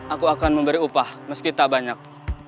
aku akan memberi upah meski tak banyak